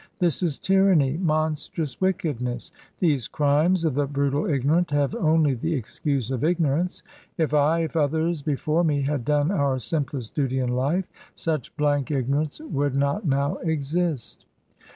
This is tyranny, monstrous wickedness; these crimes of the brutal ignorant have only the excuse of ignorance. If I, if others before me, had done our simplest duty in life, such blank ignorance would not now exist."